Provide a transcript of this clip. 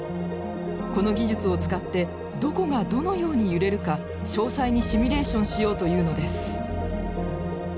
この技術を使ってどこがどのように揺れるか詳細にシミュレーションしようというのです。